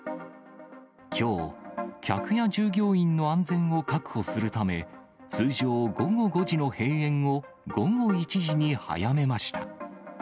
きょう、客や従業員の安全を確保するため、通常午後５時の閉園を、午後１時に早めました。